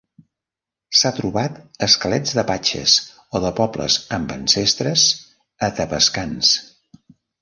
S'ha trobat esquelets d'apatxes o de pobles amb ancestres atapascans.